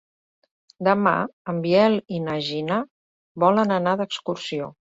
Demà en Biel i na Gina volen anar d'excursió.